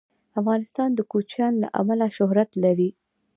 افغانستان د کوچیان له امله شهرت لري.